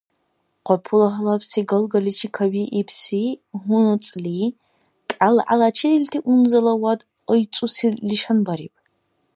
Къапула гьалабси галгаличи кабиибси гьунуцӀли, кӀялгӀяла чидилти унзалавад айцӀусил лишанбариб.